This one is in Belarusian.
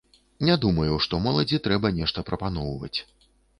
Не думаю, што моладзі трэба нешта прапаноўваць.